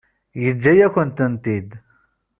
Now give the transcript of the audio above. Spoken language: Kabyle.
Yeǧǧa-yakent-tent-id.